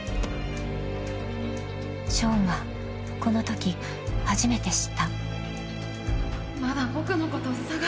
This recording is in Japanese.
［ショーンはこのとき初めて知った］